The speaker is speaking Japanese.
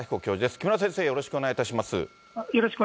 木村先生、よろしくお願いいたします。